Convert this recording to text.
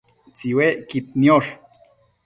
Tsiuecquid niosh